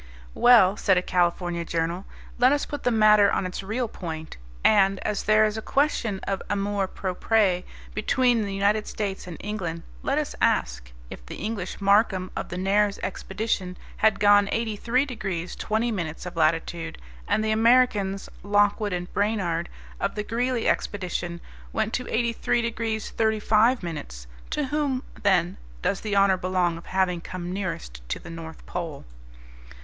"Well," said a California journal, "let us put the matter on its real point, and as there is a question of amour propre between the United States and England, let us ask, If the English Markham of the Nares expedition had gone 83 degrees 20 minutes of latitude and the Americans, Lockwood and Brainard, of the Greely expedition, went to 83 degrees 35 minutes, to whom then does the honor belong of having come nearest to the North Pole?"